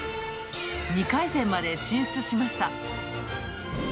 ２回戦まで進出しました。